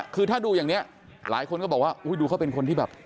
คือถ้าดูอย่างนี้หลายคนก็บอกว่าอุ้ยดูเขาเป็นคนที่แบบ